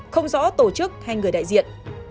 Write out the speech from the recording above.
không rõ tổ chức hay người đại diện